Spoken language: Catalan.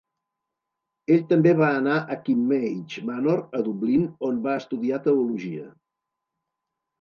Ell també va anar a Kimmage Manor, a Dublín, on va estudiar Teologia.